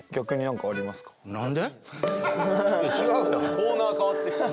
コーナー変わってる。